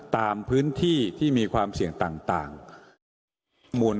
ตามพื้นที่ที่มีความเสี่ยงต่างมวล